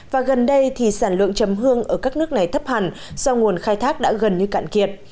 và gần đây thì sản lượng chầm hương ở các nước này thấp hẳn do nguồn khai thác đã gần như cạn kiệt